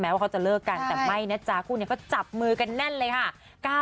ว่าเขาจะเลิกกันแต่ไม่นะจ๊ะคู่นี้ก็จับมือกันแน่นเลยค่ะ